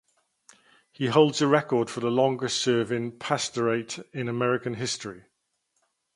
He holds the record for the longest serving pastorate in American history.